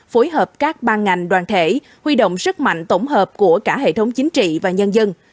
phối hợp các ban ngành đoàn thể huy động sức mạnh tổng hợp của cả hệ thống chính trị và nhân dân